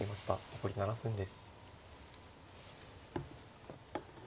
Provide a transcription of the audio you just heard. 残り７分です。